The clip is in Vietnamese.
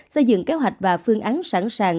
xây dựng kế hoạch và phương án sẵn sàng